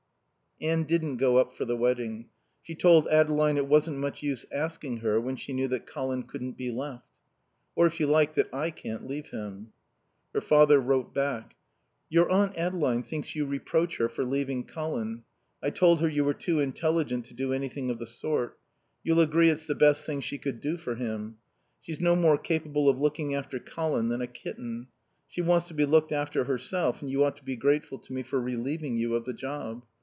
Anne didn't go up for the wedding. She told Adeline it wasn't much use asking her when she knew that Colin couldn't be left. "Or, if you like, that I can't leave him." Her father wrote back: Your Aunt Adeline thinks you reproach her for leaving Colin. I told her you were too intelligent to do anything of the sort. You'll agree it's the best thing she could do for him. She's no more capable of looking after Colin than a kitten. She wants to be looked after herself, and you ought to be grateful to me for relieving you of the job.